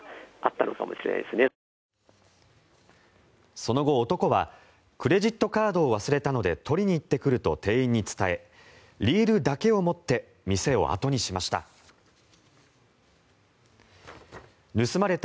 その後、男はクレジットカードを忘れたので取りに行ってくると店員に伝えリールだけを持って店を後にしました。